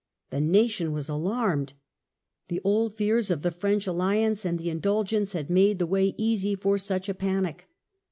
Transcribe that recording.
The nation was alarmed. The old fears of the French alliance and the Indulgence had made the way easy for such a panic.